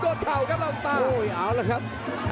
โดดเข่าครับลาซาตา